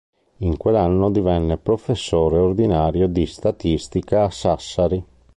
In quell'anno divenne professore ordinario di statistica a Sassari.